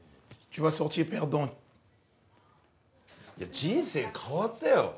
人生変わったよ。